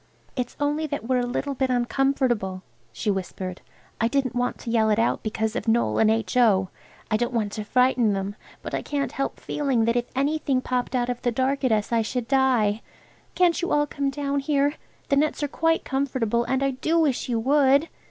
"It's only that we're a little bit uncomfortable," she whispered. "I didn't want to yell it out because of Noël and H.O. I don't want to frighten them, but I can't help feeling that if anything popped out of the dark at us I should die. Can't you all come down here? The nets are quite comfortable, and I do wish you would."